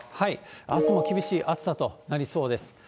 あすも厳しい暑さとなりそうです。